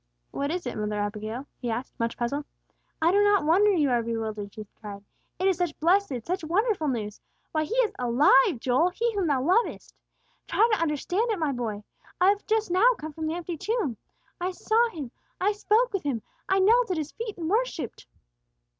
"What is it, Mother Abigail?" he asked, much puzzled. "I do not wonder you are bewildered," she cried. "It is such blessed, such wonderful news. Why He is alive, Joel, He whom Thou lovest! Try to understand it, my boy! I have just now come from the empty tomb. I saw Him! I spoke with Him! I knelt at His feet and worshipped!"